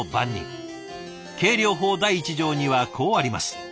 計量法第１条にはこうあります。